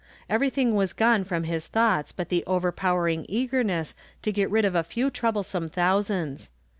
Everything was gone from his thoughts but the overpowering eagerness to get rid of a few troublesome thousands.